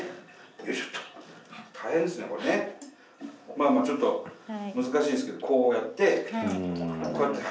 まあまあちょっと難しいですけどこうやってこうやって入る。